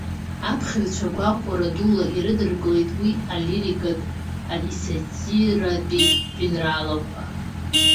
Аԥхьаҩцәа гәахәара дула ирыдыркылеит уи илирикатәи исатиратәи жәеинраалақәа.